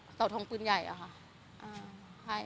ไอ้เสาทรงนี่คือชื่อตำควรตำควรบ้าน